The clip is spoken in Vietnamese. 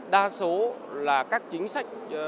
đa số là các chính sách